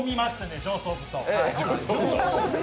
上層部と。